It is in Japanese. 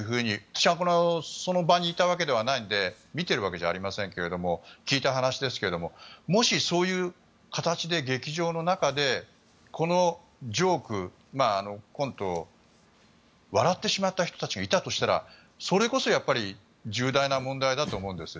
私はその場にいたわけではないので見ているわけじゃありませんし聞いた話ですけどももし、そういう形で、劇場の中でこのジョーク、コントを笑ってしまった人たちがいたとしたらそれこそ、やっぱり重大な問題だと思います。